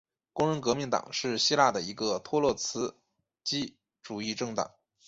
工人革命党是希腊的一个托洛茨基主义政党。